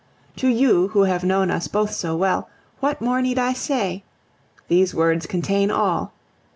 To you, who have known us both so well, what more need I say? These words contain all.